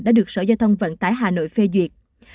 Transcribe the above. đã được sở giao thông vận tải hà nội phê duyệt